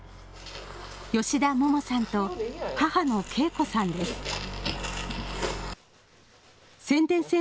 吉田桃さんと母の恵子さんです。